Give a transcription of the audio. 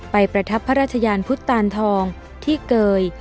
ประทับพระราชยานพุทธตานทองที่เกย